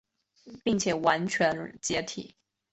并且完全解体。